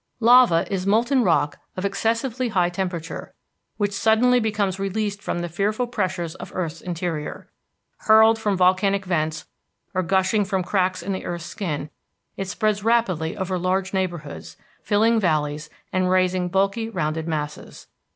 Lava is molten rock of excessively high temperature, which suddenly becomes released from the fearful pressures of earth's interior. Hurled from volcanic vents, or gushing from cracks in the earth's skin, it spreads rapidly over large neighborhoods, filling valleys and raising bulky rounded masses.